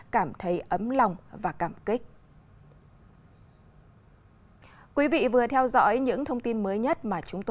cảm thấy ấm lòng và cảm kích